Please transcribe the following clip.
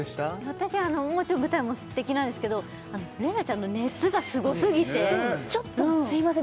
私はあのもちろん舞台も素敵なんですけど麗菜ちゃんの熱がすごすぎてちょっとすいません